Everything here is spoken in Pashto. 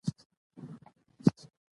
کريم : په تنده لهجه يې شکيبا ته وويل: